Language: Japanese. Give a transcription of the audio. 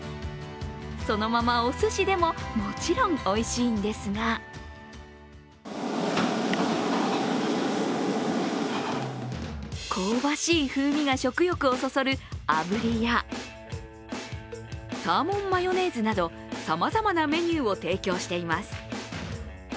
そのままおすしでも、もちろん、おいしいんですが香ばしい風味が食欲をそそるあぶりや、サーモンマヨネーズなどさまざまなメニューを提供しています。